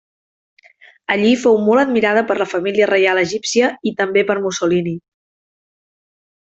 Allí fou molt admirada per la família reial egípcia i també per Mussolini.